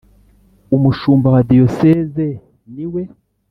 Umushumba wa Diyosezi ni we